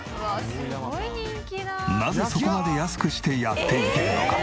なぜそこまで安くしてやっていけるのか？